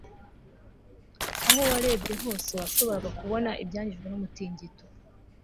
aho warebye hose washoboraga kubona ibyangijwe numutingito